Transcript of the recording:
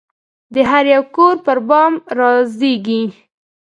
د هریو کور پربام رازیږې